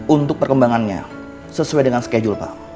untuk perkembangannya sesuai dengan schedule pak